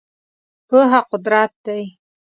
پوهه قدرت دی .